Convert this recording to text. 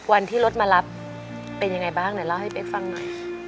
วันที่รถมารับเป็นยังไงบ้างไหนเล่าให้เป๊กฟังหน่อย